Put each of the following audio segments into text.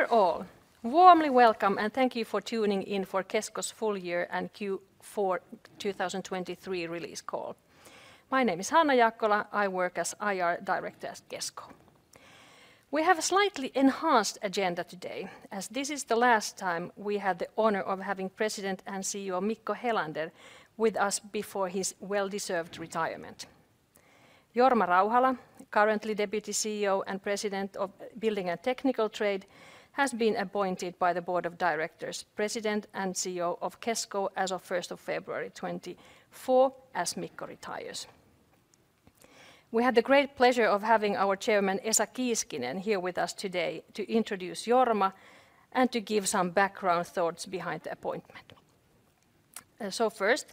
Dear all, warmly welcome and thank you for tuning in for Kesko's full year and Q4 2023 release call. My name is Hanna Jaakkola. I work as IR director at Kesko. We have a slightly enhanced agenda today, as this is the last time we had the honor of having President and CEO Mikko Helander with us before his well-deserved retirement. Jorma Rauhala, currently Deputy CEO and President of Building and Technical Trade, has been appointed by the Board of Directors President and CEO of Kesko as of first of February 2024, as Mikko retires. We had the great pleasure of having our chairman, Esa Kiiskinen, here with us today to introduce Jorma and to give some background thoughts behind the appointment. So first,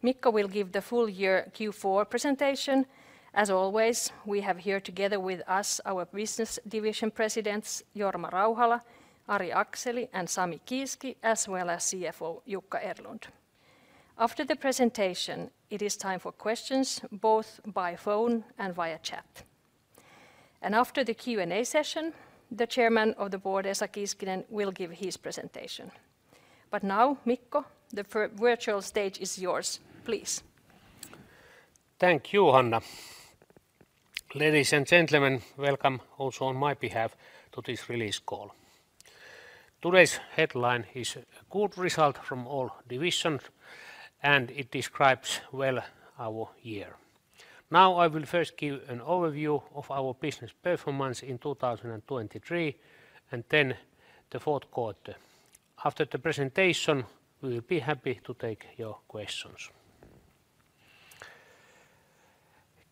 Mikko will give the full year Q4 presentation. As always, we have here together with us our business division presidents, Jorma Rauhala, Ari Akseli, and Sami Kiiski, as well as CFO Jukka Erlund. After the presentation, it is time for questions, both by phone and via chat. After the Q&A session, the chairman of the board, Esa Kiiskinen, will give his presentation. But now, Mikko, the virtual stage is yours. Please. Thank you, Hanna. Ladies and gentlemen, welcome also on my behalf to this release call. Today's headline is a good result from all divisions, and it describes well our year. Now, I will first give an overview of our business performance in 2023, and then the fourth quarter. After the presentation, we will be happy to take your questions.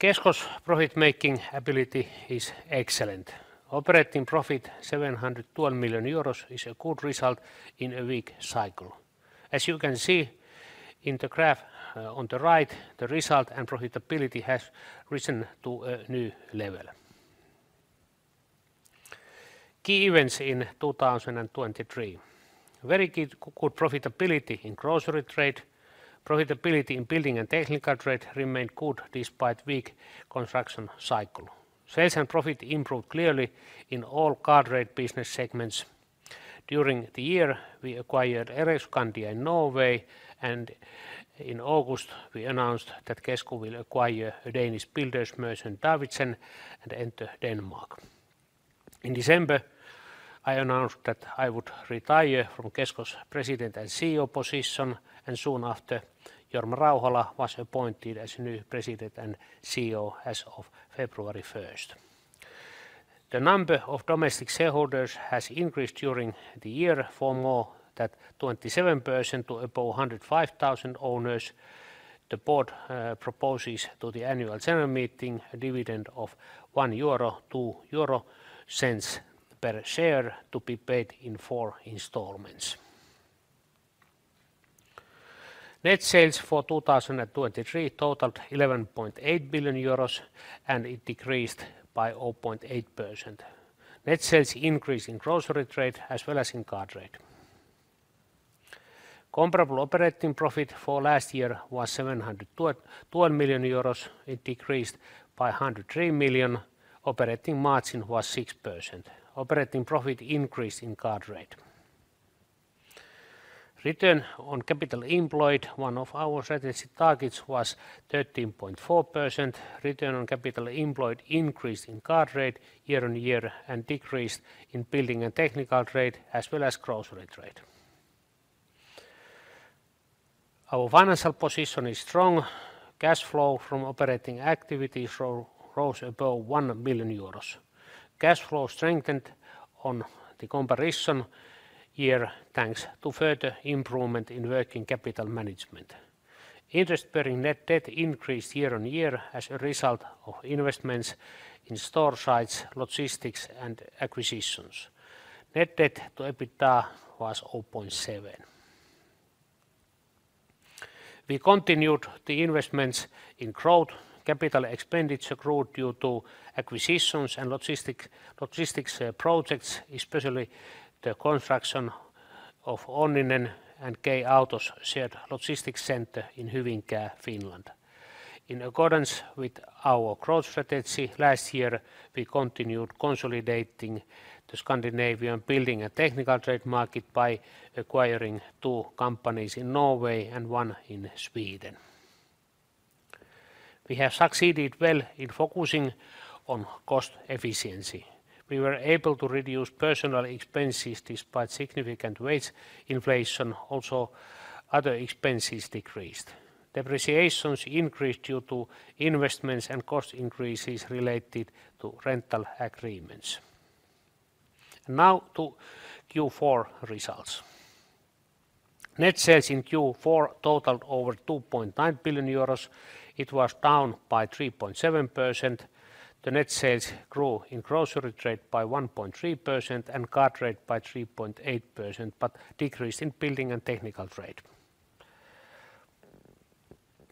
Kesko's profit-making ability is excellent. Operating profit, 701 million euros, is a good result in a weak cycle. As you can see in the graph on the right, the result and profitability has risen to a new level. Key events in 2023. Very good, good profitability in Grocery trade. Profitability in Building and Technical Trade remained good despite weak construction cycle. Sales and profit improved clearly in all Car Trade business segments. During the year, we acquired Elektroskandia in Norway, and in August, we announced that Kesko will acquire a Danish builders' merchant, Davidsen, and enter Denmark. In December, I announced that I would retire from Kesko's President and CEO position, and soon after, Jorma Rauhala was appointed as new President and CEO as of 1 February. The number of domestic shareholders has increased during the year for more than 27% to above 105,000 owners. The board proposes to the annual general meeting a dividend of 1.02 euro per share to be paid in four installments. Net sales for 2023 totaled 11.8 billion euros, and it decreased by 0.8%. Net sales increased in Grocery Trade as well as in Car Trade. Comparable operating profit for last year was 702 million euros. It decreased by 103 million. Operating margin was 6%. Operating profit increased in Car Trade. Return on capital employed, one of our strategic targets, was 13.4%. Return on capital employed increased in Car Trade year-on-year and decreased in Building and Technical Trade, as well as Grocery Trade. Our financial position is strong. Cash flow from operating activities rose above 1 billion euros. Cash flow strengthened on the comparison year, thanks to further improvement in working capital management. Interest-bearing net debt increased year-on-year as a result of investments in store sites, logistics, and acquisitions. Net debt to EBITDA was 0.7. We continued the investments in growth. Capital expenditure grew due to acquisitions and logistics projects, especially the construction of Onninen and K-Auto's shared logistics center in Hyvinkää, Finland. In accordance with our growth strategy, last year, we continued consolidating the Scandinavian Building and Technical Trade market by acquiring two companies in Norway and one in Sweden. We have succeeded well in focusing on cost efficiency. We were able to reduce personal expenses despite significant wage inflation. Also, other expenses decreased. Depreciations increased due to investments and cost increases related to rental agreements. Now, to Q4 results. Net sales in Q4 totaled over 2.9 billion euros. It was down by 3.7%. The net sales grew in Grocery Trade by 1.3% and Car Trade by 3.8%, but decreased in Building and Technical Trade.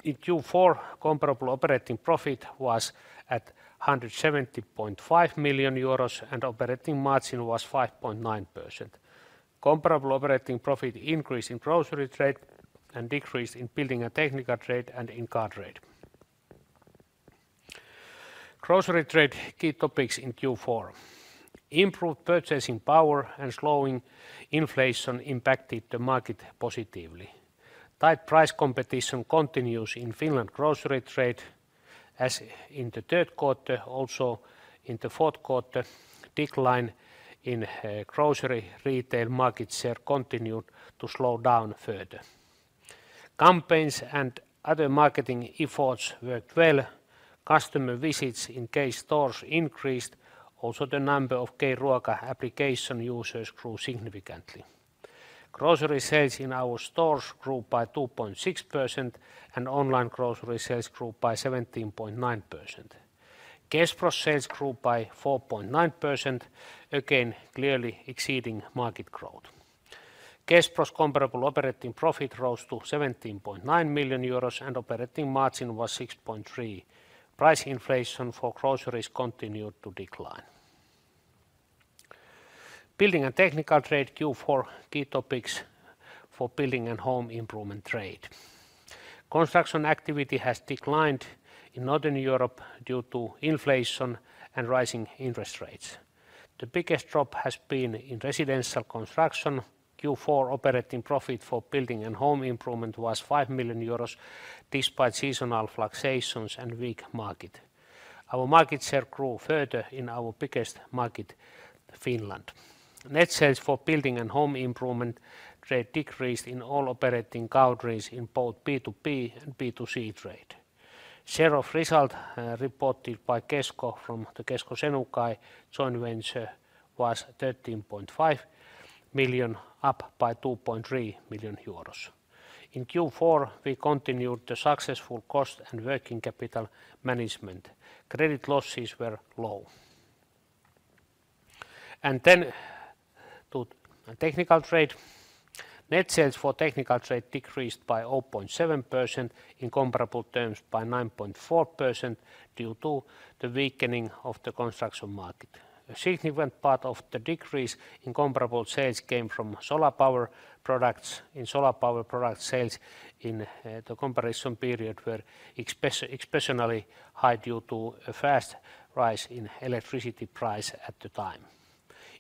In Q4, comparable operating profit was at 170.5 million euros, and operating margin was 5.9%. Comparable operating profit increased in Grocery Trade and decreased in Building and Technical Trade and in Car Trade. Grocery trade key topics in Q4. Improved purchasing power and slowing inflation impacted the market positively. Tight price competition continues in Finland grocery trade, as in the Q3, also in the Q4, decline in grocery retail market share continued to slow down further. Campaigns and other marketing efforts worked well. Customer visits in K-stores increased. Also, the number of K-Ruoka application users grew significantly. Grocery sales in our stores grew by 2.6%, and online grocery sales grew by 17.9%. Kespro sales grew by 4.9%, again, clearly exceeding market growth. Kespro's comparable operating profit rose to 17.9 million euros, and operating margin was 6.3%. Price inflation for groceries continued to decline. Building and technical trade, Q4 key topics for building and home improvement trade. Construction activity has declined in Northern Europe due to inflation and rising interest rates. The biggest drop has been in residential construction. Q4 operating profit for building and home improvement was 5 million euros despite seasonal fluctuations and weak market. Our market share grew further in our biggest market, Finland. Net sales for building and home improvement trade decreased in all operating countries in both B2B and B2C trade. Share of result reported by Kesko from the Kesko Senukai joint venture was 13.5 million, up by 2.3 million euros. In Q4, we continued the successful cost and working capital management. Credit losses were low. Then to technical trade. Net sales for technical trade decreased by 0.7%, in comparable terms by 9.4%, due to the weakening of the construction market. A significant part of the decrease in comparable sales came from solar power products. In solar power product sales in the comparison period were exceptionally high due to a fast rise in electricity price at the time.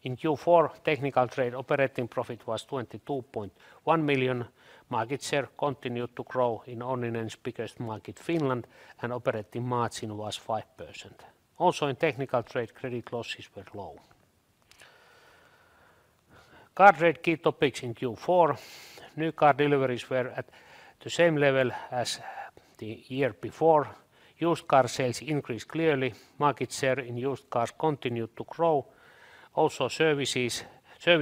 In Q4, technical trade operating profit was 22.1 million. Market share continued to grow in only in its biggest market, Finland, and operating margin was 5%. Also, in technical trade, credit losses were low. Car trade key topics in Q4: New car deliveries were at the same level as the year before. Used car sales increased clearly. Market share in used cars continued to grow. Also, service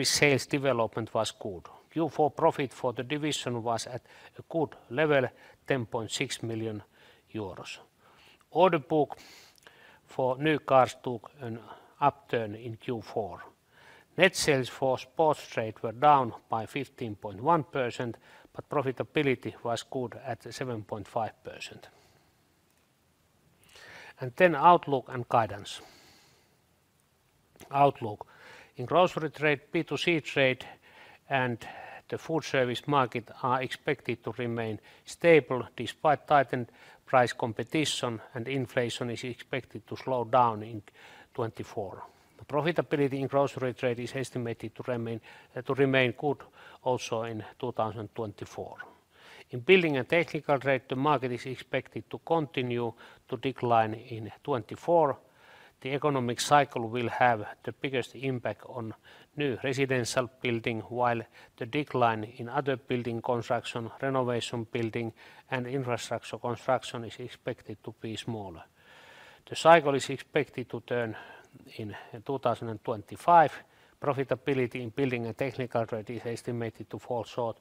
sales development was good. Q4 profit for the division was at a good level, 10.6 million euros. Order book for new cars took an upturn in Q4. Net sales for sports trade were down by 15.1%, but profitability was good at 7.5%. And then outlook and guidance. Outlook. In grocery trade, B2C trade and the food service market are expected to remain stable despite tightened price competition, and inflation is expected to slow down in 2024. The profitability in grocery trade is estimated to remain to remain good also in 2024. In building and technical trade, the market is expected to continue to decline in 2024. The economic cycle will have the biggest impact on new residential building, while the decline in other building construction, renovation building, and infrastructure construction is expected to be smaller. The cycle is expected to turn in 2025. Profitability in building and technical trade is estimated to fall short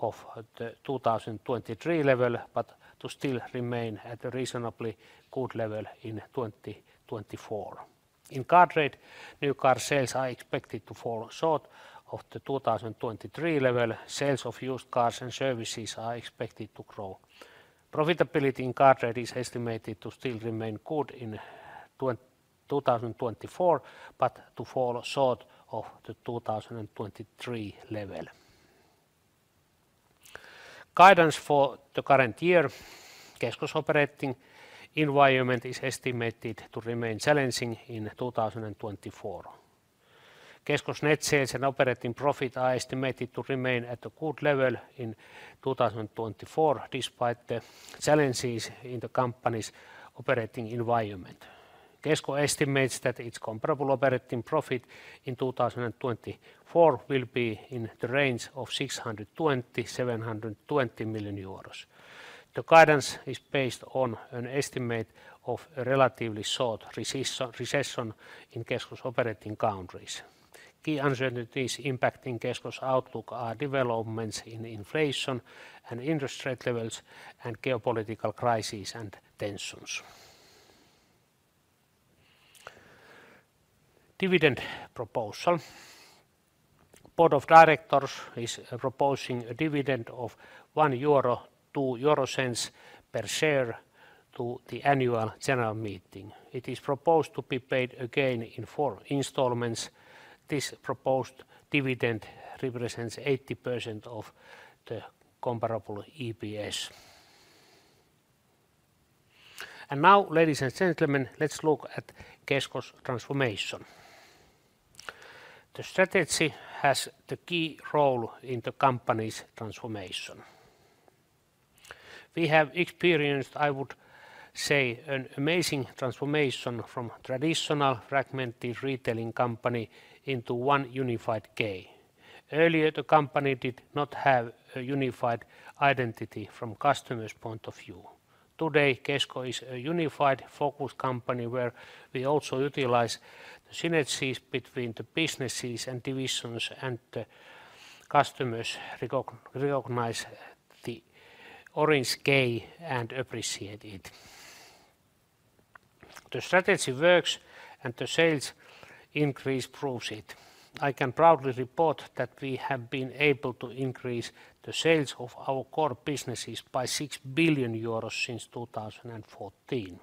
of the 2023 level, but to still remain at a reasonably good level in 2024. In car trade, new car sales are expected to fall short of the 2023 level. Sales of used cars and services are expected to grow. Profitability in car trade is estimated to still remain good in 2024, but to fall short of the 2023 level. Guidance for the current year, Kesko's operating environment is estimated to remain challenging in 2024. Kesko's net sales and operating profit are estimated to remain at a good level in 2024, despite the challenges in the company's operating environment. Kesko estimates that its comparable operating profit in 2024 will be in the range of 620 million-720 million euros. The guidance is based on an estimate of a relatively short recession in Kesko's operating countries. Key uncertainties impacting Kesko's outlook are developments in inflation and interest rate levels and geopolitical crises and tensions. Dividend proposal. Board of Directors is proposing a dividend of 1.02 euro per share to the annual general meeting. It is proposed to be paid again in four installments. This proposed dividend represents 80% of the comparable EPS.... And now, ladies and gentlemen, let's look at Kesko's transformation. The strategy has the key role in the company's transformation. We have experienced, I would say, an amazing transformation from traditional fragmented retailing company into one unified K. Earlier, the company did not have a unified identity from customer's point of view. Today, Kesko is a unified focus company, where we also utilize synergies between the businesses and divisions, and the customers recognize the orange K and appreciate it. The strategy works, and the sales increase proves it. I can proudly report that we have been able to increase the sales of our core businesses by 6 billion euros since 2014.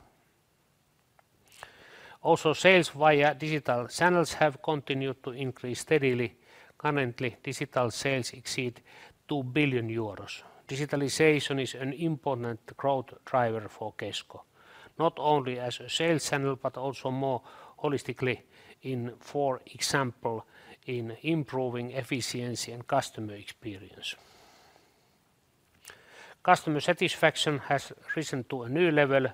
Also, sales via digital channels have continued to increase steadily. Currently, digital sales exceed 2 billion euros. Digitalization is an important growth driver for Kesko, not only as a sales channel, but also more holistically in, for example, improving efficiency and customer experience. Customer satisfaction has risen to a new level.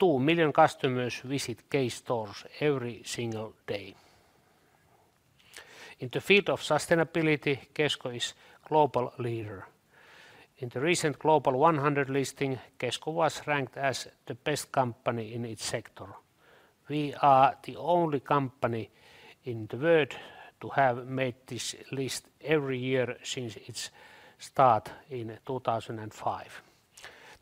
2 million customers visit K-stores every single day. In the field of sustainability, Kesko is global leader. In the recent Global 100 listing, Kesko was ranked as the best company in its sector. We are the only company in the world to have made this list every year since its start in 2005.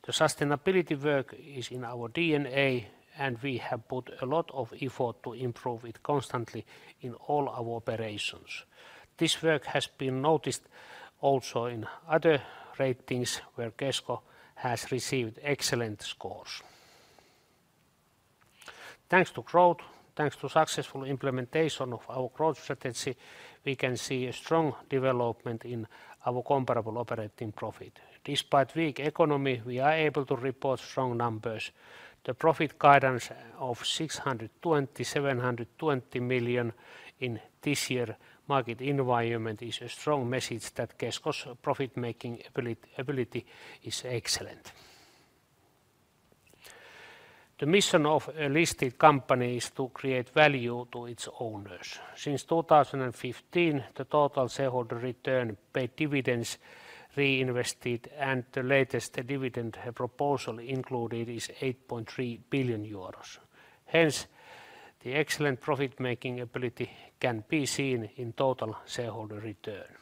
The sustainability work is in our DNA, and we have put a lot of effort to improve it constantly in all our operations. This work has been noticed also in other ratings, where Kesko has received excellent scores. Thanks to growth, thanks to successful implementation of our growth strategy, we can see a strong development in our comparable operating profit. Despite weak economy, we are able to report strong numbers. The profit guidance of 620 million-720 million in this year's market environment is a strong message that Kesko's profit-making ability is excellent. The mission of a listed company is to create value to its owners. Since 2015, the total shareholder return paid dividends reinvested, and the latest dividend proposal included is 8.3 billion euros. Hence, the excellent profit-making ability can be seen in total shareholder return.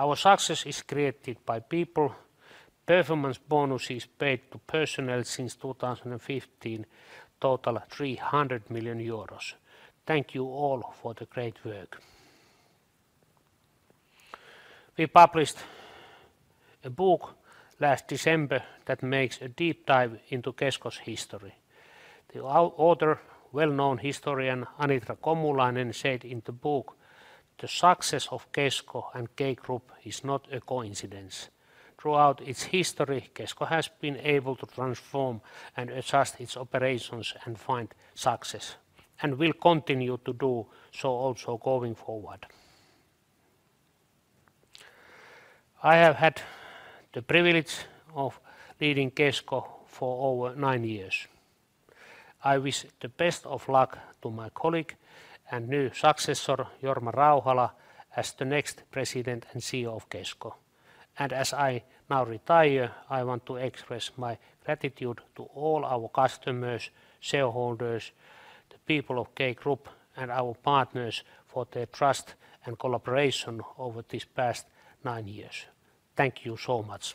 Our success is created by people. Performance bonuses paid to personnel since 2015 total 300 million euros. Thank you all for the great work. We published a book last December that makes a deep dive into Kesko's history. The author, well-known historian Anitra Komulainen, said in the book, "The success of Kesko and K Group is not a coincidence. Throughout its history, Kesko has been able to transform and adjust its operations and find success, and will continue to do so also going forward." I have had the privilege of leading Kesko for over nine years. I wish the best of luck to my colleague and new successor, Jorma Rauhala, as the next President and CEO of Kesko. As I now retire, I want to express my gratitude to all our customers, shareholders, the people of K Group, and our partners for their trust and collaboration over these past nine years. Thank you so much!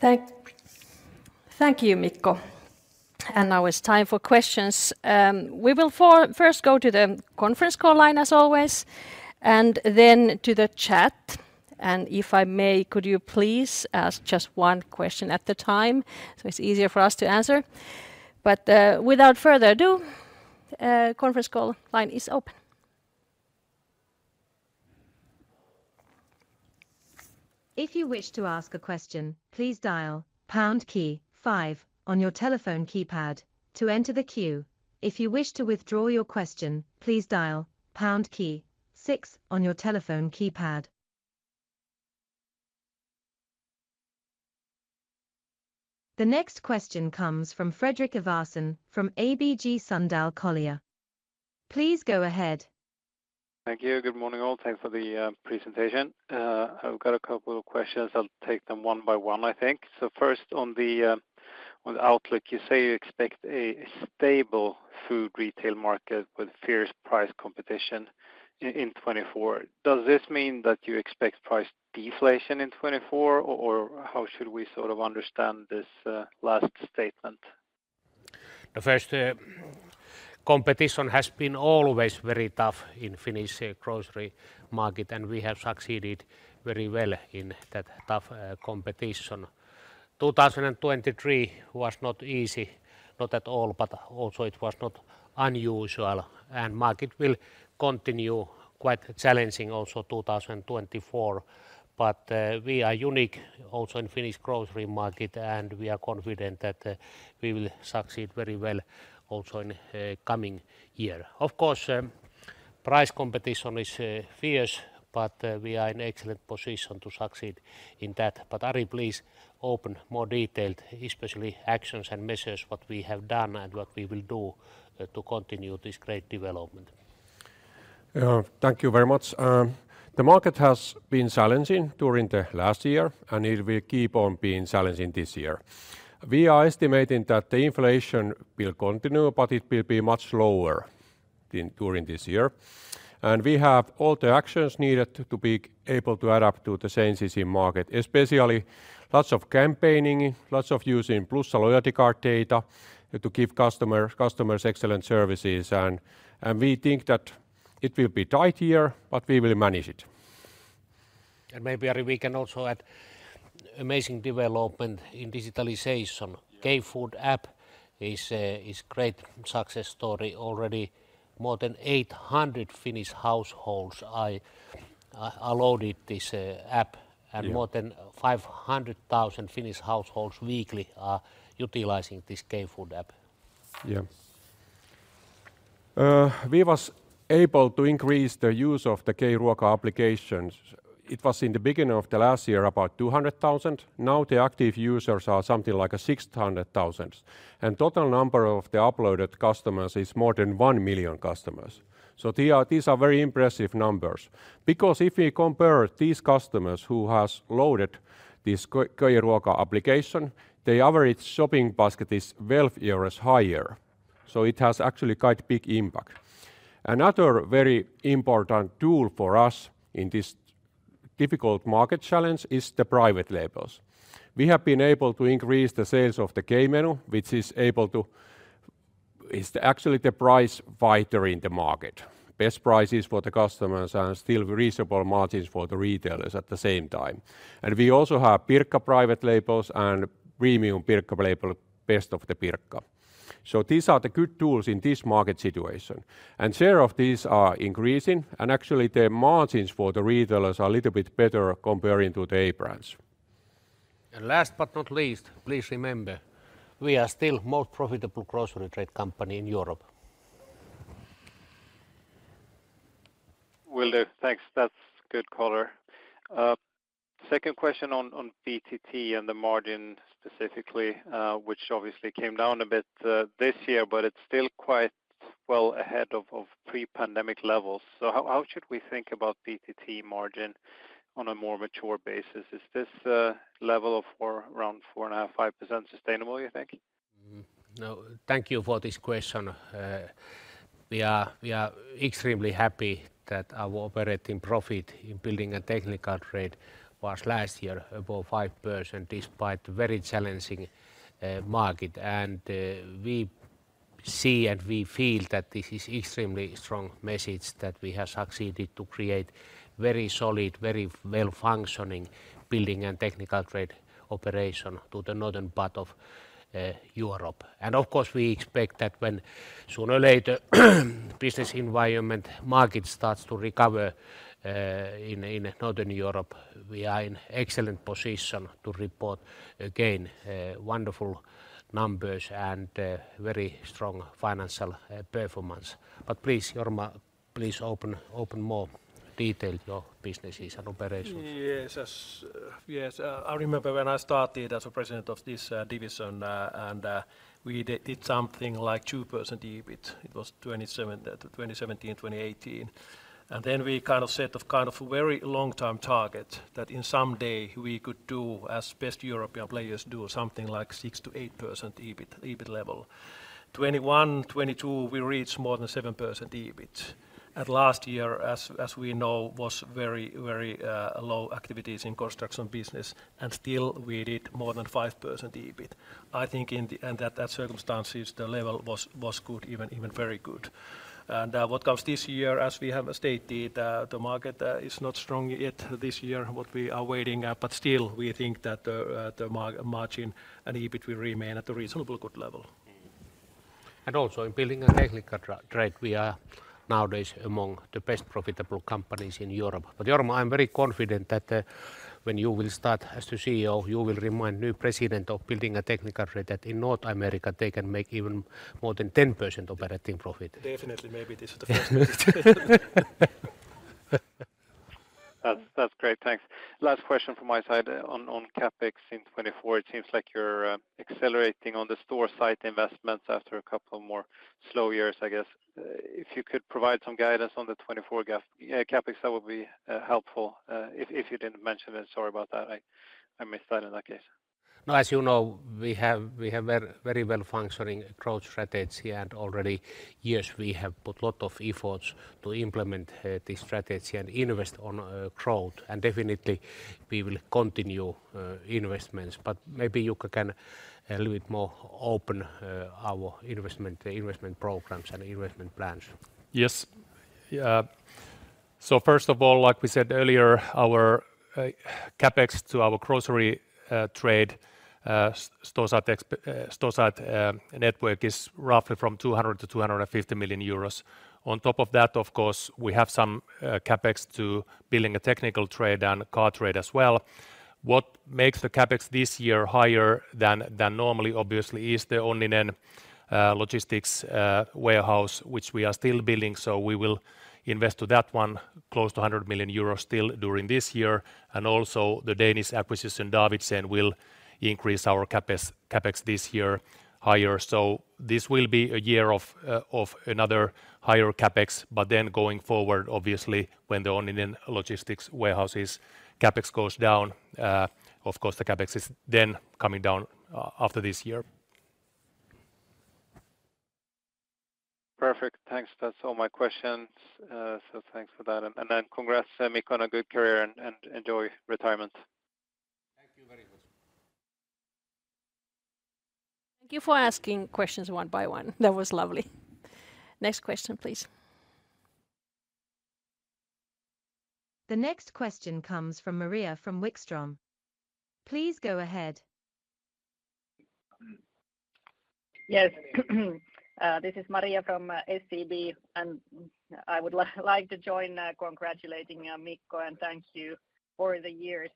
Thank you, Mikko. Now it's time for questions. We will first go to the conference call line, as always, and then to the chat. If I may, could you please ask just one question at a time, so it's easier for us to answer? Without further ado, conference call line is open. If you wish to ask a question, please dial pound key five on your telephone keypad to enter the queue. If you wish to withdraw your question, please dial pound key six on your telephone keypad. The next question comes from Fredrik Ivarsson from ABG Sundal Collier. Please go ahead. Thank you. Good morning, all. Thanks for the presentation. I've got a couple of questions. I'll take them one by one, I think. So first, on the outlook, you say you expect a stable food retail market with fierce price competition in 2024. Does this mean that you expect price deflation in 2024, or how should we sort of understand this last statement? The firs t competition has been always very tough in Finnish grocery market, and we have succeeded very well in that tough competition. 2023 was not easy, not at all, but also it was not unusual, and market will continue quite challenging also 2024. But we are unique also in Finnish grocery market, and we are confident that we will succeed very well also in coming year. Of course, price competition is fierce, but we are in excellent position to succeed in that. But Ari, please open more detailed, especially actions and measures, what we have done and what we will do to continue this great development. Thank you very much. The market has been challenging during the last year, and it will keep on being challenging this year. We are estimating that the inflation will continue, but it will be much lower than during this year. We have all the actions needed to be able to adapt to the changes in market, especially lots of campaigning, lots of using Plussa loyalty card data to give customer, customers excellent services. And we think that it will be tight year, but we will manage it. Maybe, Ari, we can also add amazing development in digitalization. Yeah. K-Ruoka app is a great success story. Already more than 800 Finnish households are downloaded this app. Yeah. More than 500,000 Finnish households weekly are utilizing this K-Ruoka app. Yeah. We was able to increase the use of the K-Ruoka applications. It was in the beginning of the last year, about 200,000. Now, the active users are something like 600,000, and total number of the uploaded customers is more than 1 million customers. So the these are very impressive numbers. Because if we compare these customers who has loaded this K, K-Ruoka application, the average shopping basket is 12 euros higher, so it has actually quite big impact. Another very important tool for us in this difficult market challenge is the private labels. We have been able to increase the sales of the K-Menu, which is able to—it's actually the price fighter in the market. Best prices for the customers and still reasonable margins for the retailers at the same time. And we also have Pirkka private labels and premium Pirkka label, Best of the Pirkka. So these are the good tools in this market situation. And share of these are increasing, and actually, the margins for the retailers are a little bit better comparing to the A brands. Last but not least, please remember, we are still most profitable grocery trade company in Europe. Will do. Thanks. That's good color. Second question on, on PTT and the margin specifically, which obviously came down a bit, this year, but it's still quite well ahead of, of pre-pandemic levels. So how, how should we think about PTT margin on a more mature basis? Is this, level of 4, around 4.5, 5% sustainable, you think? No, thank you for this question. We are, we are extremely happy that our operating profit in Building and Technical Trade was last year above 5%, despite very challenging market. And we see and we feel that this is extremely strong message, that we have succeeded to create very solid, very well-functioning Building and Technical Trade operation to the northern part of Europe. And of course, we expect that when, sooner or later, business environment market starts to recover in Northern Europe, we are in excellent position to report, again, wonderful numbers and very strong financial performance. But please, Jorma, please open, open more detailed your businesses and operations. Yes, yes. Yes, I remember when I started as a president of this division, and we did, did something like 2% EBIT. It was 2017, 2018. And then we kind of set of kind of a very long-term target, that someday we could do as best European players do, something like 6%-8% EBIT, EBIT level. 2021, 2022, we reached more than 7% EBIT. Last year, as we know, was very, very low activities in construction business, and still, we did more than 5% EBIT. I think in the-- and at that circumstances, the level was, was good, even, even very good. What comes this year, as we have stated, the market is not strong yet this year, what we are waiting, but still, we think that the margin and EBIT will remain at a reasonable good level. Also, in Building and Technical Trade, we are nowadays among the best profitable companies in Europe. But Jorma, I'm very confident that when you will start as the CEO, you will remind new president of Building and Technical Trade that in North America, they can make even more than 10% operating profit. Definitely. Maybe this is the first visit. That's great. Thanks. Last question from my side. On CapEx in 2024, it seems like you're accelerating on the store site investments after a couple more slow years, I guess. If you could provide some guidance on the 2024 CapEx, that would be helpful. If you didn't mention it, sorry about that. I missed that in that case. No, as you know, we have, we have very, very well-functioning growth strategy, and already years we have put lot of efforts to implement this strategy and invest on growth. And definitely we will continue investments. But maybe Jukka can a little bit more open our investment, investment programs and investment plans. Yes. Yeah. So first of all, like we said earlier, our CapEx to our grocery trade stores at existing network is roughly from 200 million to 250 million euros. On top of that, of course, we have some CapEx to building and technical trade and car trade as well. What makes the CapEx this year higher than normally, obviously, is then only the logistics warehouse, which we are still building. So we will invest to that one close to 100 million euros still during this year. And also the Danish acquisition, Davidsen, will increase our CapEx this year higher. So this will be a year of another higher CapEx. But then going forward, obviously, when the Onninen logistics warehouse's CapEx goes down, of course, the CapEx is then coming down after this year. Perfect. Thanks. That's all my questions. So thanks for that. And then congrats, Mikko, on a good career, and enjoy retirement. Thank you very much. Thank you for asking questions one by one. That was lovely. Next question, please. The next question comes from Maria Wikström. Please go ahead. Yes. This is Maria from SEB, and I would like to join congratulating Mikko, and thank you for the years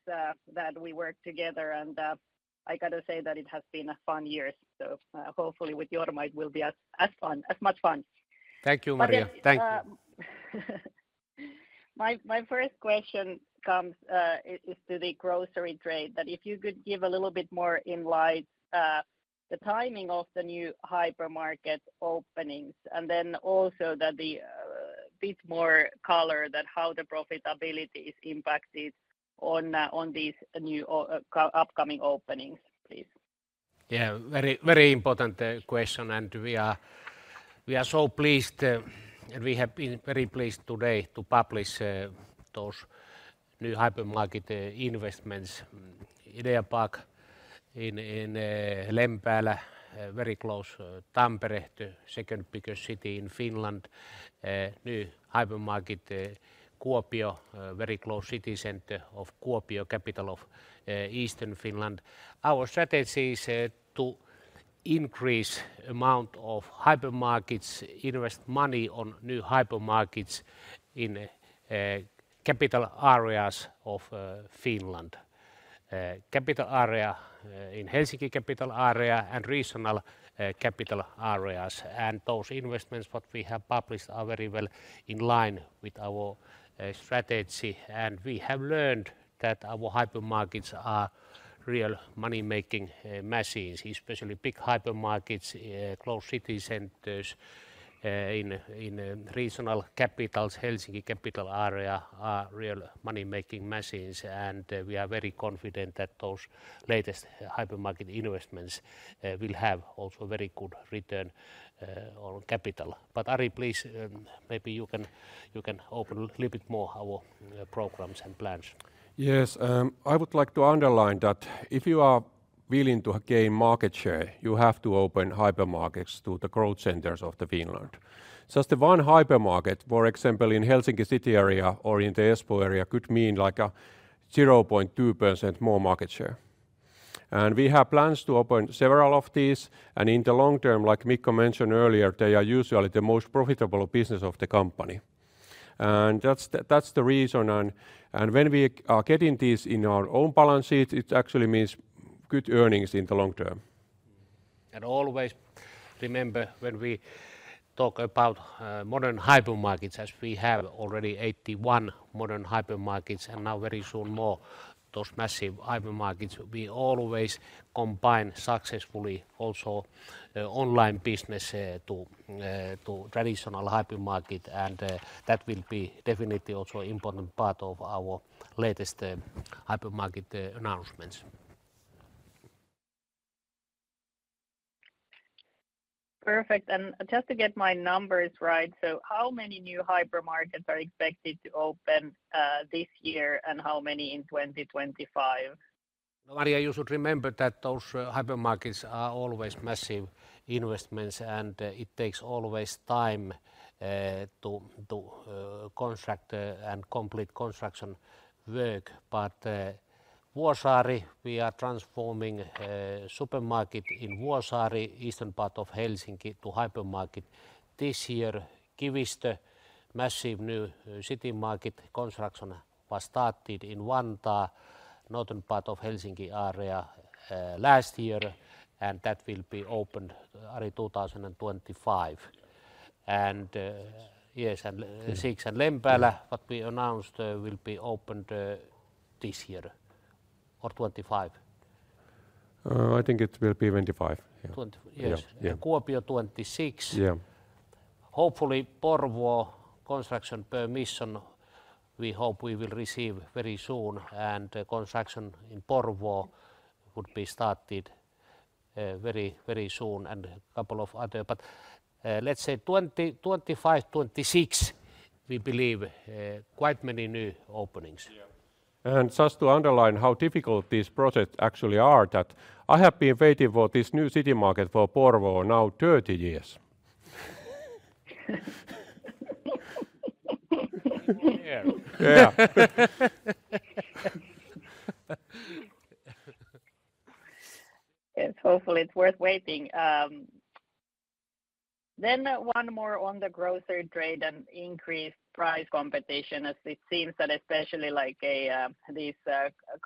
that we worked together. And, I gotta say that it has been a fun years. So, hopefully with your might will be as, as fun, as much fun. Thank you, Maria. But, uh- Thank you. My first question is to the grocery trade, if you could give a little bit more insight on the timing of the new hypermarket openings, and then also a bit more color on how the profitability is impacted on these new upcoming openings, please. Yeah. Very, very important question, and we are so pleased, and we have been very pleased today to publish those new hypermarket investments, Ideapark in Lempäälä, very close Tampere, the second biggest city in Finland. New hypermarket, Kuopio, very close city center of Kuopio, capital of Eastern Finland. Our strategy is to increase amount of hypermarkets, invest money on new hypermarkets in capital areas of Finland. Capital area in Helsinki capital area and regional capital areas. And those investments, what we have published, are very well in line with our strategy. And we have learned that our hypermarkets are real money-making machines, especially big hypermarkets close city centers in regional capitals. Helsinki capital area are real money-making machines, and, we are very confident that those latest hypermarket investments, will have also very good return, on capital. But, Ari, please, maybe you can, you can open a little bit more our, programs and plans. Yes. I would like to underline that if you are willing to gain market share, you have to open hypermarkets to the growth centers of the Finland. Just the one hypermarket, for example, in Helsinki city area or in the Espoo area, could mean like a 0.2% more market share. And we have plans to open several of these, and in the long term, like Mikko mentioned earlier, they are usually the most profitable business of the company. And that's the, that's the reason, and, and when we are getting this in our own balance sheet, it actually means good earnings in the long term. Always remember, when we talk about modern hypermarkets, as we have already 81 modern hypermarkets, and now very soon more, those massive hypermarkets, we always combine successfully also online business to traditional hypermarket. And that will be definitely also important part of our latest hypermarket announcements. Perfect. Just to get my numbers right, so how many new hypermarkets are expected to open this year, and how many in 2025? Maria, you should remember that those hypermarkets are always massive investments, and it takes always time to construct and complete construction work. But Vuosaari, we are transforming a supermarket in Vuosaari, eastern part of Helsinki, to hypermarket this year. Kivistö, massive new city market construction was started in Vantaa, northern part of Helsinki area, last year, and that will be opened early 2025. And yes, and six in Lempäälä, what we announced, will be opened this year or 2025? I think it will be 2025. Yeah. Twenty... Yes. Yeah. Yeah. Kuopio 'twenty-six. Yeah. Hopefully, Porvoo construction permission, we hope we will receive very soon, and the construction in Porvoo would be started, very, very soon and a couple of other. But, let's say 2025, 2026, we believe, quite many new openings.... And just to underline how difficult these projects actually are, that I have been waiting for this new city market for Porvoo now 30 years. Yeah. Yes, hopefully it's worth waiting. Then one more on the grocery trade and increased price competition, as it seems that especially like these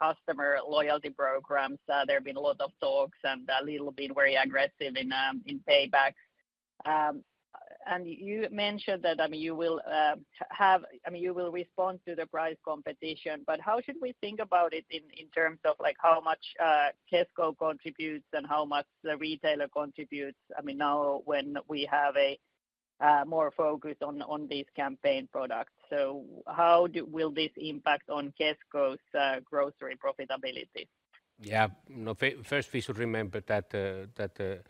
customer loyalty programs, there have been a lot of talks and a little bit very aggressive in payback. And you mentioned that, I mean, you will have—I mean, you will respond to the price competition, but how should we think about it in terms of like how much Kesko contributes and how much the retailer contributes? I mean, now when we have a more focus on these campaign products. So how do—will this impact on Kesko's grocery profitability? Yeah. No, first we should remember that the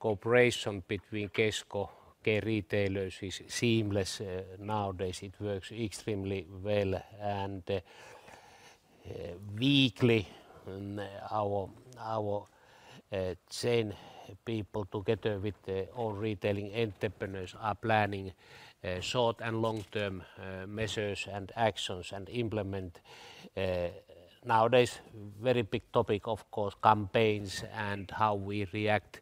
cooperation between Kesko K-retailers is seamless. Nowadays, it works extremely well. And, weekly, and our chain people, together with the all retailing entrepreneurs, are planning short and long-term measures and actions and implement. Nowadays, very big topic, of course, campaigns and how we react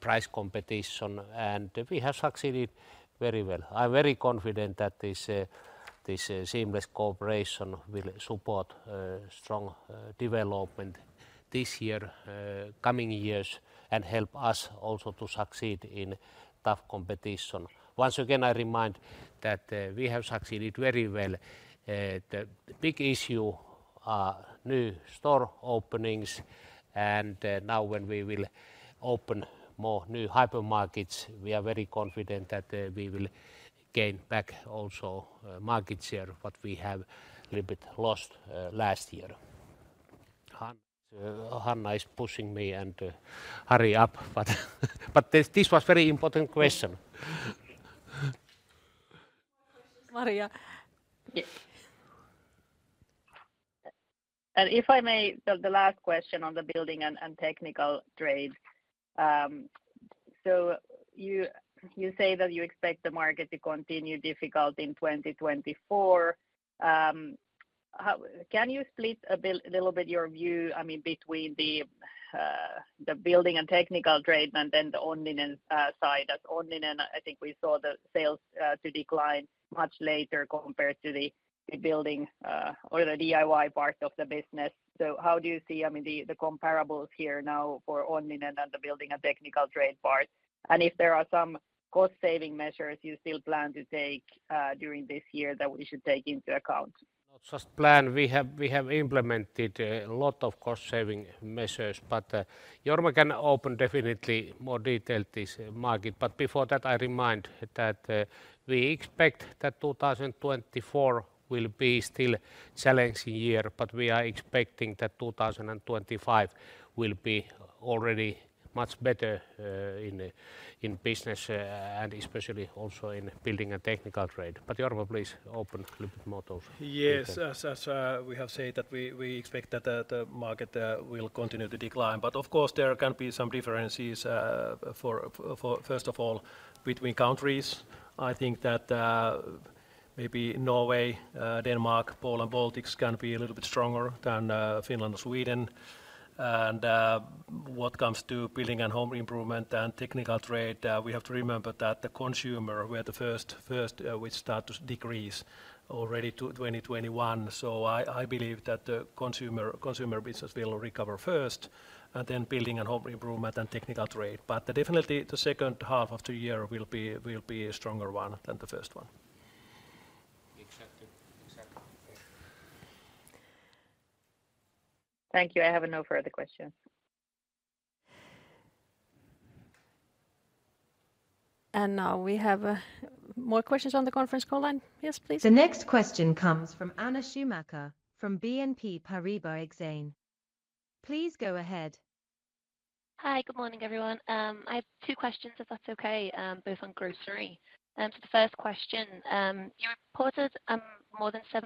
price competition, and we have succeeded very well. I'm very confident that this seamless cooperation will support strong development this year, coming years, and help us also to succeed in tough competition. Once again, I remind that we have succeeded very well. The big issue, new store openings, and now when we will open more new hypermarkets, we are very confident that we will gain back also market share, what we have a little bit lost last year. Hanna, Hanna is pushing me and hurry up, but this was very important question. Maria? Yes. And if I may, the last question on the building and technical trade. So you say that you expect the market to continue difficult in 2024. How can you split a bit, little bit your view, I mean, between the building and technical trade and then the Onninen side? As Onninen, I think we saw the sales to decline much later compared to the building or the DIY part of the business. So how do you see, I mean, the comparables here now for Onninen and the building and technical trade part? And if there are some cost-saving measures you still plan to take during this year that we should take into account. Not just plan, we have implemented a lot of cost-saving measures, but Jorma can open definitely more detail this market. But before that, I remind that we expect that 2024 will be still challenging year, but we are expecting that 2025 will be already much better in business and especially also in building a technical trade. But Jorma, please open a little bit more of- Yes, as we have said that we expect that the market will continue to decline. But of course, there can be some differences, for first of all, between countries. I think that maybe Norway, Denmark, Poland, Baltics can be a little bit stronger than Finland or Sweden. And what comes to building and home improvement and technical trade, we have to remember that the consumer were the first which start to decrease already to 2021. So I believe that the consumer business will recover first, and then building and home improvement and technical trade. But definitely, the second half of the year will be a stronger one than the first one. Exactly. Exactly. Thank you. I have no further questions. Now we have more questions on the conference call line. Yes, please. The next question comes from Anna Schumacher from BNP Paribas Exane. Please go ahead. Hi, good morning, everyone. I have two questions, if that's okay, both on grocery. So the first question: You reported more than 7%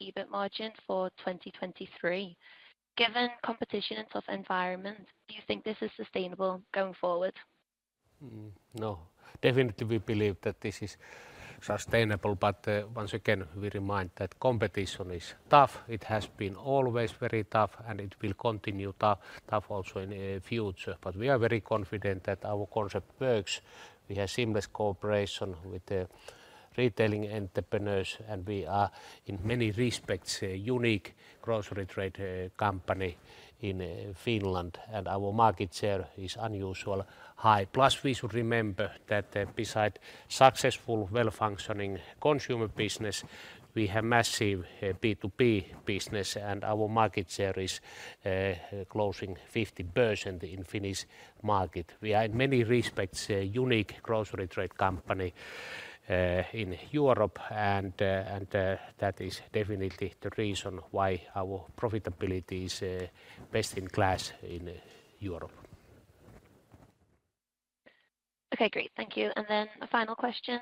EBIT margin for 2023. Given competition and tough environment, do you think this is sustainable going forward? No, definitely we believe that this is sustainable, but, once again, we remind that competition is tough. It has been always very tough, and it will continue tough also in the future. But we are very confident that our concept works. We have seamless cooperation with the retailing entrepreneurs, and we are, in many respects, a unique grocery trade, company in Finland, and our market share is unusual high. Plus, we should remember that, beside successful, well-functioning consumer business, we have massive, B2B business, and our market share is, closing 50% in Finnish market. We are, in many respects, a unique grocery trade company, in Europe, and, that is definitely the reason why our profitability is, best in class in Europe.... Okay, great. Thank you. And then a final question,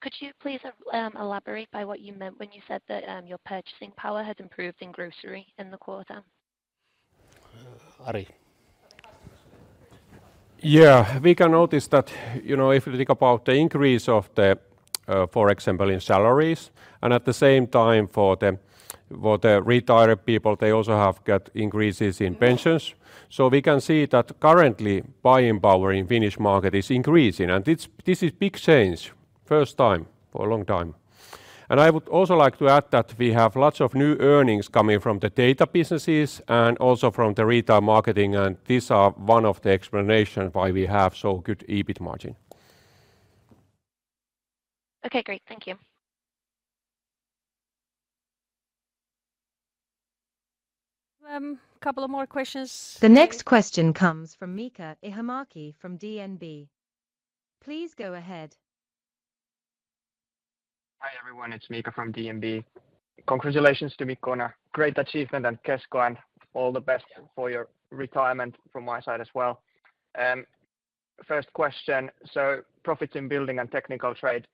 could you please elaborate by what you meant when you said that your purchasing power had improved in grocery in the quarter? Ari. Yeah, we can notice that, you know, if you think about the increase of the, for example, in salaries, and at the same time for the, for the retired people, they also have got increases in pensions. So we can see that currently, buying power in Finnish market is increasing, and it's this is big change, first time for a long time. And I would also like to add that we have lots of new earnings coming from the data businesses and also from the retail marketing, and these are one of the explanation why we have so good EBIT margin. Okay, great. Thank you. Couple of more questions. The next question comes from Miika Ihamäki from DNB. Please go ahead. Hi, everyone. It's Mika from DNB. Congratulations to Mikko on a great achievement, and Kesko, and all the best for your retirement from my side as well. First question: so profits in building and technical trade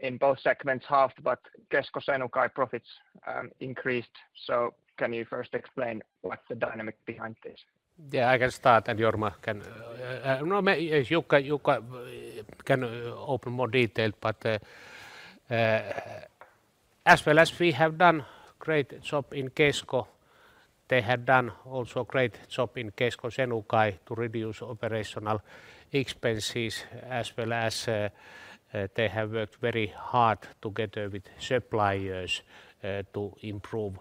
in both segments halved, but Kesko Senukai profits increased. So can you first explain what's the dynamic behind this? Yeah, I can start, and Jorma can... No, maybe Jukka can open more detail, but, as well as we have done great job in Kesko, they have done also great job in Kesko Senukai to reduce operational expenses, as well as, they have worked very hard together with suppliers to improve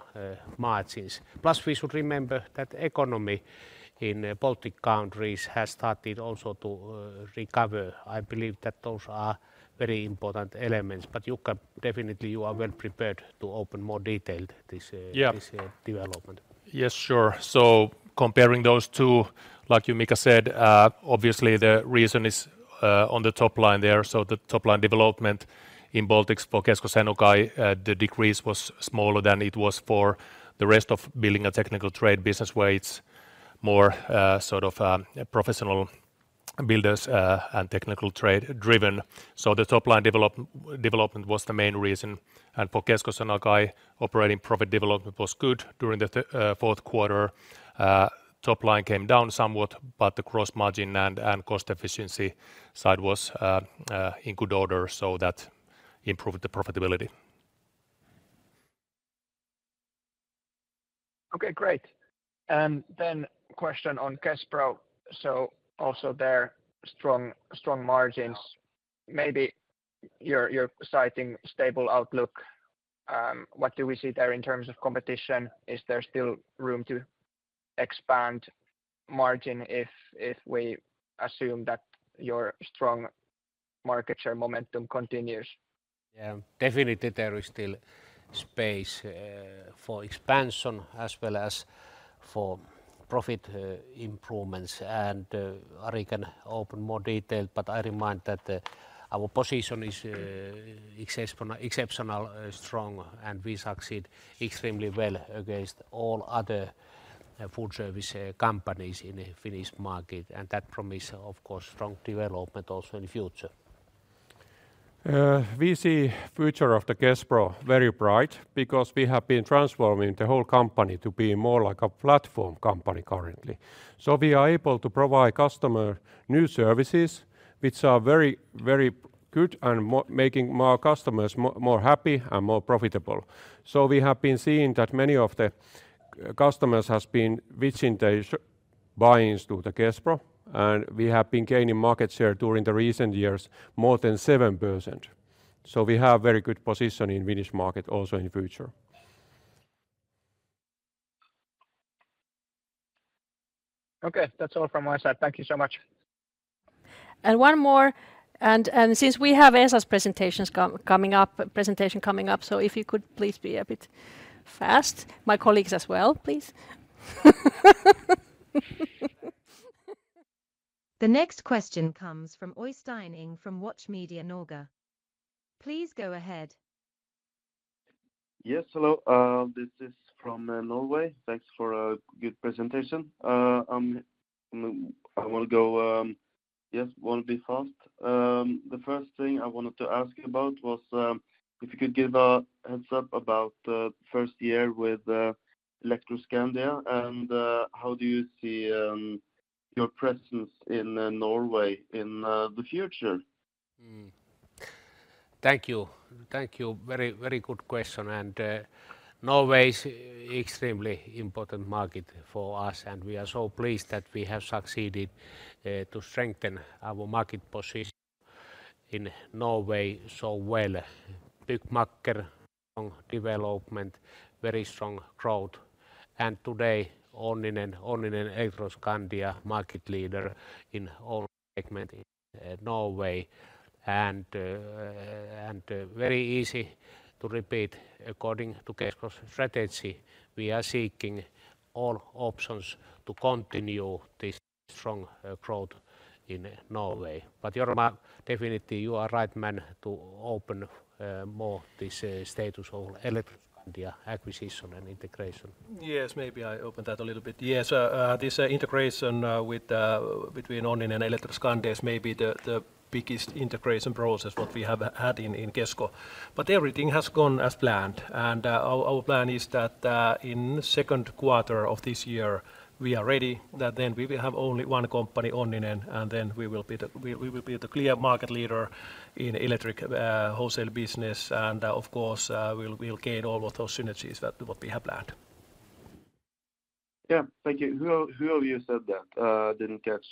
margins. Plus, we should remember that economy in Baltic countries has started also to recover. I believe that those are very important elements. But Jukka, definitely you are well prepared to open more detail this, Yeah this development. Yes, sure. So comparing those two, like you, Mika, said, obviously the reason is on the top line there. So the top line development in Baltics for Kesko Senukai, the decrease was smaller than it was for the rest of building and technical trade business, where it's more sort of professional builders and technical trade-driven. So the top line development was the main reason, and for Kesko Senukai, operating profit development was good during the Q4. Top line came down somewhat, but the gross margin and and cost efficiency side was in good order, so that improved the profitability. Okay, great. And then question on Kespro. So also there, strong, strong margins. Maybe you're, you're citing stable outlook. What do we see there in terms of competition? Is there still room to expand margin if, if we assume that your strong market share momentum continues? Yeah, definitely there is still space for expansion as well as for profit improvements. And Ari can open more detail, but I remind that our position is exceptional, exceptional strong, and we succeed extremely well against all other food service companies in the Finnish market, and that promise, of course, strong development also in the future. We see the future of the Kespro very bright because we have been transforming the whole company to be more like a platform company currently. So we are able to provide customer new services, which are very, very good and making more customers more happy and more profitable. So we have been seeing that many of the customers has been reaching the buying to the Kespro, and we have been gaining market share during the recent years, more than 7%. So we have very good position in Finnish market also in the future. Okay. That's all from my side. Thank you so much. One more, and since we have Esa's presentation coming up, so if you could please be a bit fast, my colleagues as well, please. The next question comes from Øystein Inge from Watch Media Norge. Please go ahead. Yes, hello, this is from Norway. Thanks for a good presentation. I will go, yes, will be fast. The first thing I wanted to ask you about was if you could give a heads-up about the first year with Elektroskandia, and how do you see your presence in Norway in the future? Thank you. Thank you. Very, very good question, and Norway is extremely important market for us, and we are so pleased that we have succeeded to strengthen our market position in Norway so well. Big market, strong development, very strong growth, and today, Onninen, Onninen Elektroskandia market leader in all segment in Norway. And, very easy to repeat, according to Kesko's strategy, we are seeking all options to continue this strong growth in Norway. But Jorma, definitely you are right man to open more this status of Elektroskandia acquisition and integration. Yes, maybe I open that a little bit. Yes, this integration with between Onninen and Elektroskandia is maybe the biggest integration process what we have had in Kesko. But everything has gone as planned, and our plan is that in second quarter of this year, we are ready, that then we will have only one company, Onninen, and then we will be the... We will be the clear market leader in electric wholesale business. And of course, we'll gain all of those synergies that what we have planned.... Yeah, thank you. Who of you said that? I didn't catch.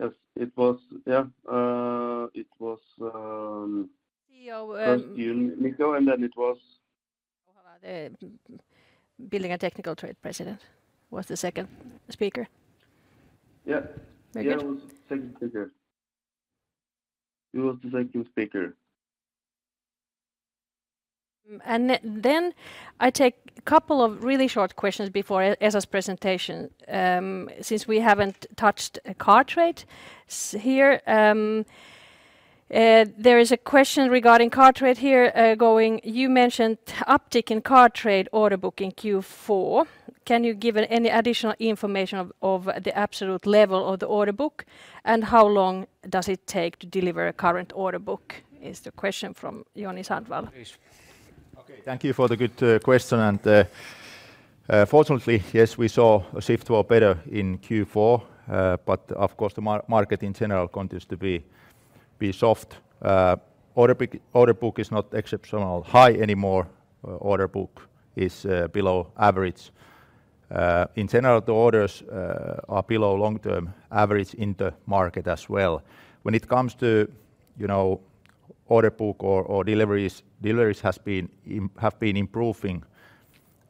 Yes, it was, it was, CEO, um- First you, Mikko, and then it was- Building and Technical Trade President was the second speaker. Yeah. Okay. Yeah, it was second speaker. He was the second speaker. And then I take a couple of really short questions before Esa's presentation. Since we haven't touched car trade here, there is a question regarding car trade here, going: "You mentioned uptick in car trade order book in Q4. Can you give any additional information of the absolute level of the order book, and how long does it take to deliver a current order book?" Is the question from Joni Sandvall. Okay, thank you for the good question, and fortunately, yes, we saw a shift to a better in Q4, but of course, the market in general continues to be soft. Order book is not exceptionally high anymore. Order book is below average. In general, the orders are below long-term average in the market as well. When it comes to, you know, order book or deliveries, deliveries have been improving,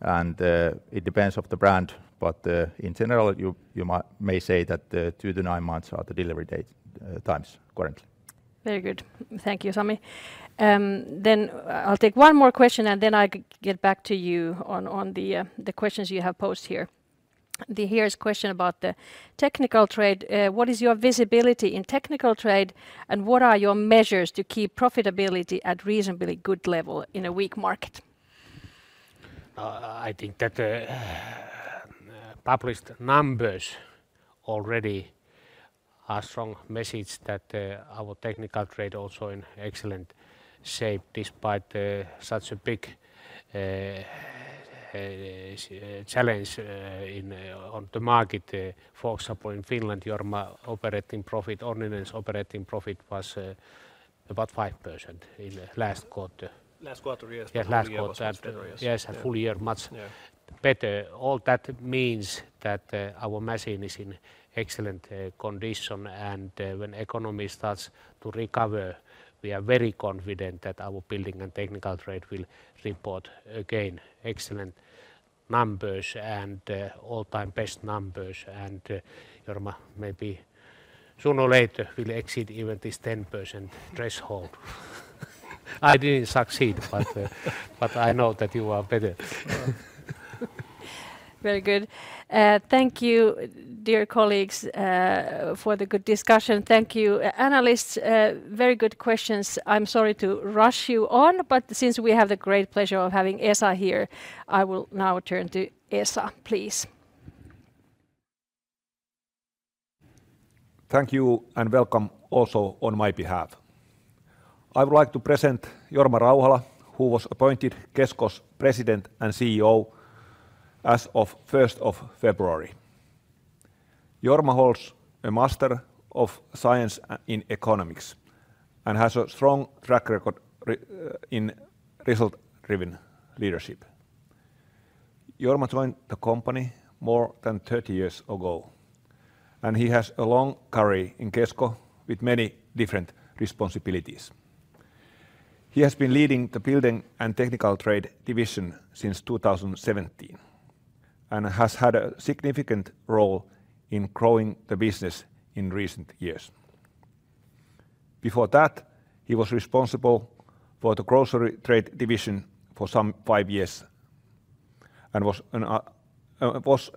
and it depends on the brand, but in general, you may say that the two to nine months are the delivery date times currently. Very good. Thank you, Sami. Then I'll take one more question, and then I'll get back to you on the questions you have posed here. There is a question about the technical trade. What is your visibility in technical trade, and what are your measures to keep profitability at reasonably good level in a weak market? I think that the published numbers already are strong message that our technical trade also in excellent shape, despite such a big challenge on the market. For example, in Finland, Jorma, Onninen operating profit was about 5% in the last quarter. Last quarter, yes. Yeah, last quarter. [crosstalks] Yes. Yes, a full year, much- Yeah... better. All that means that our machine is in excellent condition, and when economy starts to recover, we are very confident that our building and technical trade will report again excellent numbers and all-time best numbers. And Jorma, maybe sooner or later, will exceed even this 10% threshold. I didn't succeed-... but, but I know that you are better. Very good. Thank you, dear colleagues, for the good discussion. Thank you, analysts, very good questions. I'm sorry to rush you on, but since we have the great pleasure of having Esa here, I will now turn to Esa, please. Thank you, and welcome also on my behalf. I would like to present Jorma Rauhala, who was appointed Kesko's President and CEO as of 1st of February. Jorma holds a Master of Science in Economics and has a strong track record in result-driven leadership. Jorma joined the company more than 30 years ago, and he has a long career in Kesko with many different responsibilities. He has been leading the Building and Technical Trade division since 2017 and has had a significant role in growing the business in recent years. Before that, he was responsible for the Grocery Trade division for some 5 years and was,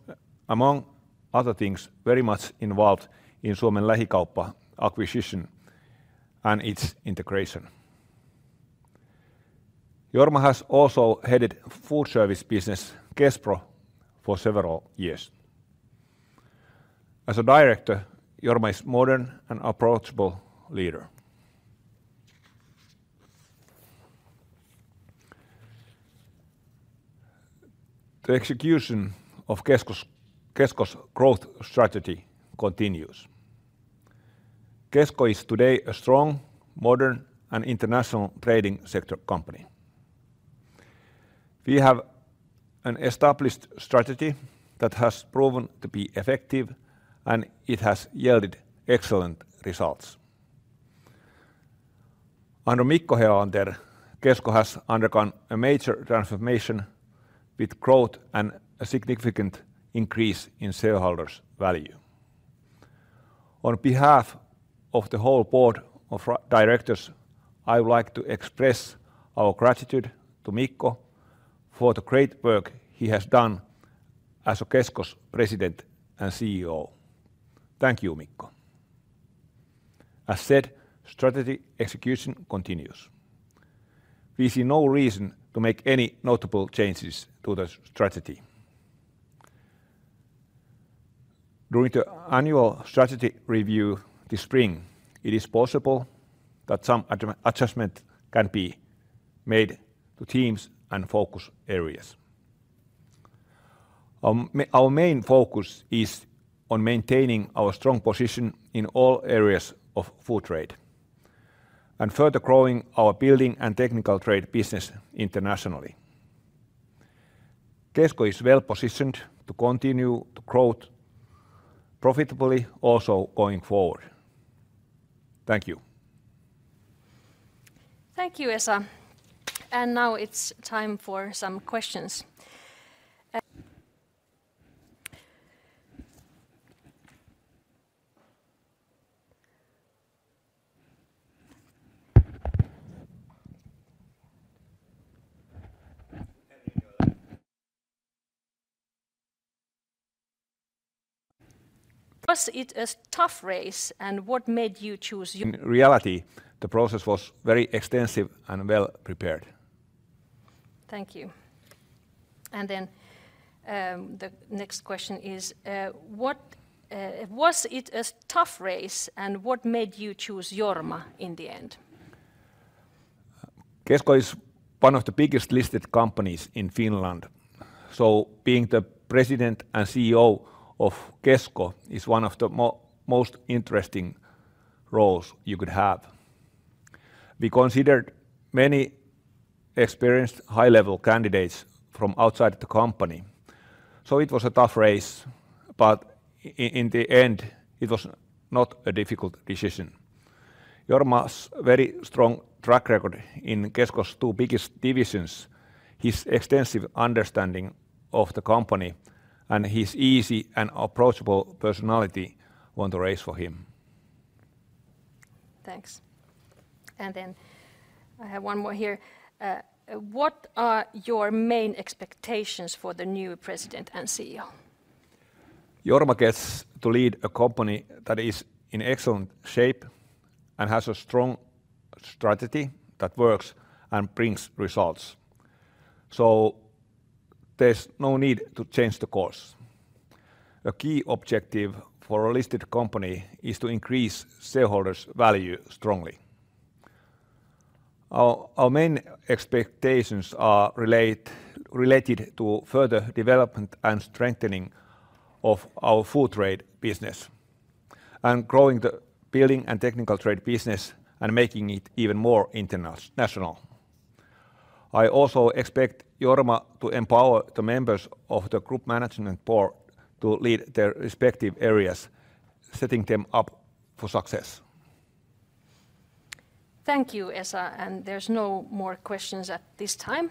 among other things, very much involved in Suomen Lähikauppa acquisition and its integration. Jorma has also headed food service business, Kespro, for several years. As a director, Jorma is modern and approachable leader. The execution of Kesko's, Kesko's growth strategy continues. Kesko is today a strong, modern, and international trading sector company. We have an established strategy that has proven to be effective, and it has yielded excellent results. Under Mikko Helander, Kesko has undergone a major transformation with growth and a significant increase in shareholders' value. On behalf of the whole board of directors, I would like to express our gratitude to Mikko for the great work he has done as a Kesko's President and CEO. Thank you, Mikko. As said, strategy execution continues. We see no reason to make any notable changes to the strategy. During the annual strategy review this spring, it is possible that some adjustment can be made to teams and focus areas. Our main focus is on maintaining our strong position in all areas of food trade.... Further growing our building and technical trade business internationally. Kesko is well-positioned to continue to grow profitably also going forward. Thank you. Thank you, Esa. Now it's time for some questions. Was it a tough race, and what made you choose- In reality, the process was very extensive and well-prepared. Thank you. Then, the next question is, Was it a tough race, and what made you choose Jorma in the end? Kesko is one of the biggest listed companies in Finland, so being the President and CEO of Kesko is one of the most interesting roles you could have. We considered many experienced high-level candidates from outside the company, so it was a tough race, but in the end, it was not a difficult decision. Jorma's very strong track record in Kesko's two biggest divisions, his extensive understanding of the company, and his easy and approachable personality won the race for him. Thanks. And then I have one more here. What are your main expectations for the new President and CEO? Jorma gets to lead a company that is in excellent shape and has a strong strategy that works and brings results, so there's no need to change the course. A key objective for a listed company is to increase shareholders' value strongly. Our main expectations are related to further development and strengthening of our food trade business and growing the building and technical trade business and making it even more international. I also expect Jorma to empower the members of the group management board to lead their respective areas, setting them up for success. Thank you, Esa, and there's no more questions at this time.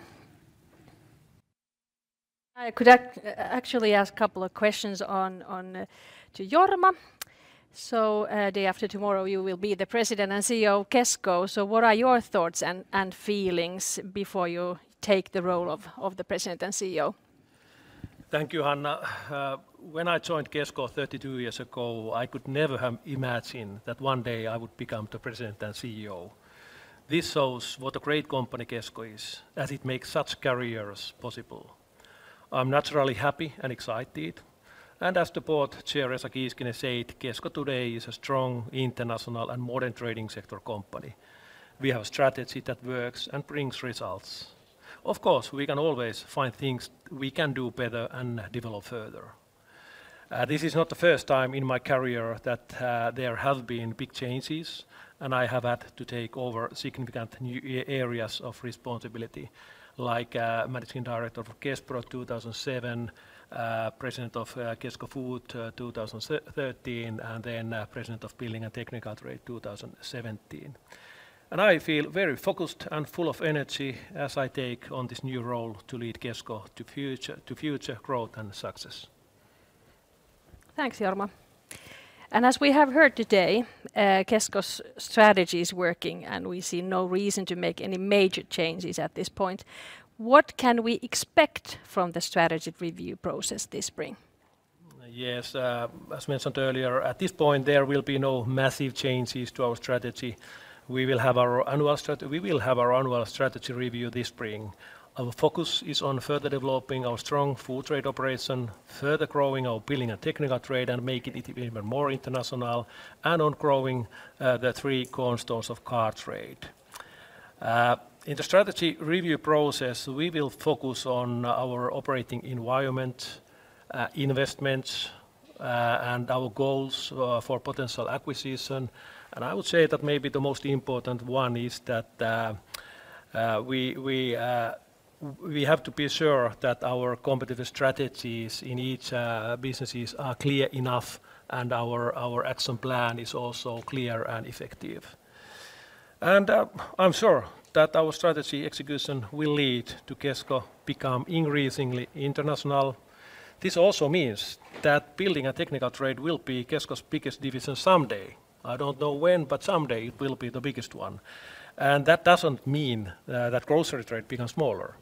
I could actually ask a couple of questions on, on... to Jorma. So, day after tomorrow, you will be the President and CEO of Kesko, so what are your thoughts and, and feelings before you take the role of the President and CEO? Thank you, Hanna. When I joined Kesko 32 years ago, I could never have imagined that one day I would become the President and CEO. This shows what a great company Kesko is, as it makes such careers possible. I'm naturally happy and excited, and as the Board Chair, Esa Kiiskinen, said, "Kesko today is a strong international and modern trading sector company." We have a strategy that works and brings results. Of course, we can always find things we can do better and develop further. This is not the first time in my career that there have been big changes, and I have had to take over significant areas of responsibility, like Managing Director of Kespro in 2007, President of Kesko Food 2013, and then President of Building and Technical Trade 2017. I feel very focused and full of energy as I take on this new role to lead Kesko to future, to future growth and success. Thanks, Jorma. As we have heard today, Kesko's strategy is working, and we see no reason to make any major changes at this point. What can we expect from the strategy review process this spring? Yes, as mentioned earlier, at this point, there will be no massive changes to our strategy. We will have our annual strategy review this spring. Our focus is on further developing our strong food trade operation, further growing our Building and Technical Trade, and making it even more international, and on growing the three cornerstones of car trade. In the strategy review process, we will focus on our operating environment, investments, and our goals for potential acquisition, and I would say that maybe the most important one is that we have to be sure that our competitive strategies in each businesses are clear enough and our action plan is also clear and effective. And I'm sure that our strategy execution will lead to Kesko become increasingly international. This also means that Building and Technical Trade will be Kesko's biggest division someday. I don't know when, but someday it will be the biggest one, and that doesn't mean that Grocery Trade becomes smaller.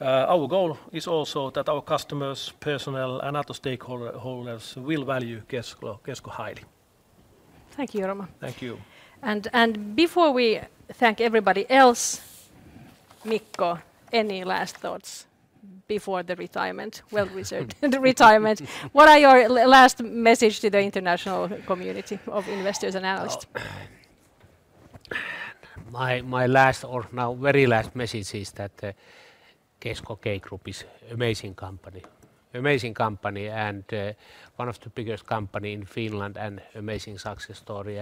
Our goal is also that our customers, personnel, and other stakeholders will value Kesko, Kesko highly. Thank you, Jorma. Thank you. And before we thank everybody else, Mikko, any last thoughts before the retirement, well-deserved retirement? What are your last message to the international community of investors and analysts? My last, or now very last, message is that Kesko K Group is amazing company, amazing company, and one of the biggest company in Finland and amazing success story.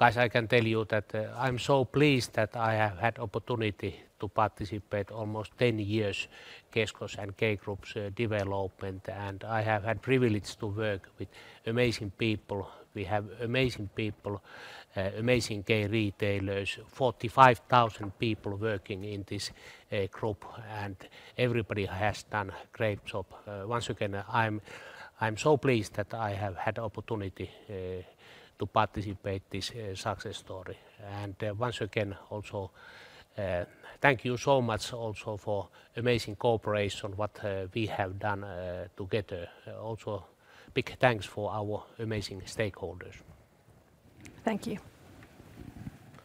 Guys, I can tell you that I'm so pleased that I have had opportunity to participate almost 10 years Kesko's and K Group's development, and I have had privilege to work with amazing people. We have amazing people, amazing K-retailers, 45,000 people working in this group, and everybody has done a great job. Once again, I'm so pleased that I have had opportunity to participate this success story. Once again, also, thank you so much also for amazing cooperation, what we have done together. Also, big thanks for our amazing stakeholders. Thank you.